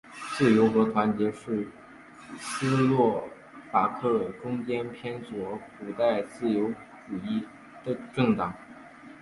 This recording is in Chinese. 自由和团结是斯洛伐克中间偏右古典自由主义政党。